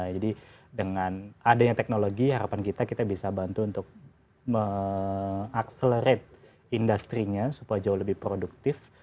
jadi dengan adanya teknologi harapan kita kita bisa bantu untuk mengakselerate industri nya supaya jauh lebih produktif